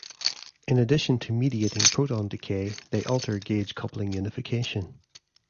In addition to mediating proton decay, they alter gauge coupling unification.